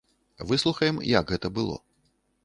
Выслухаем, як гэта было.